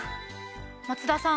松田さん